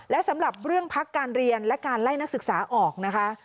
และสำหรับเรื่องพักการเรียนและการไล่นักศึกษาออกนะคะ